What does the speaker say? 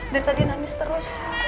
dari tadi nangis terus